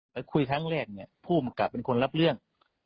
ไปคุยครั้งแรกเนี่ยผู้บังกลับเป็นคนรับเรื่อง